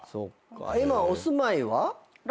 今お住まいは？